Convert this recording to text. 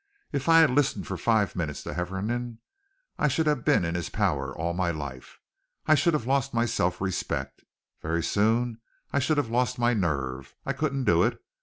If I had listened for five minutes to Hefferom I should have been in his power all my life. I should have lost my self respect. Very soon I should have lost my nerve. I couldn't do it.